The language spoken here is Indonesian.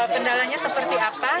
kendalanya seperti apa